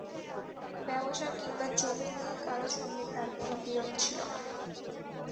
ব্যবসা কিংবা জমি নিয়ে কারো সঙ্গে তাঁর কোনো বিরোধ ছিল না।